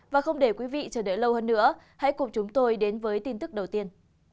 và không để quý vị chờ đợi lâu hơn nữa hãy cùng chúng tôi đến với tin tức đầu tiên